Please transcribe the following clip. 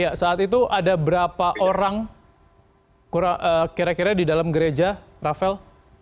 ya saat itu ada berapa orang kira kira di dalam gereja rafael